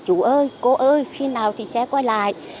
chú ơi cô ơi khi nào xe quay lại